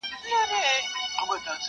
• ساقي در مبارک دي میکدې وي ټولي تاته..